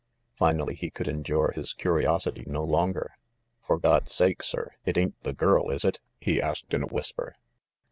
Finally he could endure his curiosity no longer. "For God's sake, sir, it ain't the girl, is it?" he asked in a whisper.